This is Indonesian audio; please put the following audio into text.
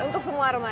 untuk semua remaja